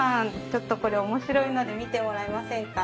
ちょっとこれ面白いので見てもらえませんか？